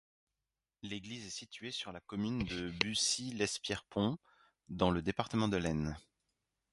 L'église est située sur la commune de Bucy-lès-Pierrepont, dans le département de l'Aisne.